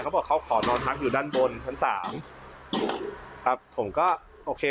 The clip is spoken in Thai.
เขาบอกเขาขอนอนพักอยู่ด้านบนชั้นสามครับผมก็โอเค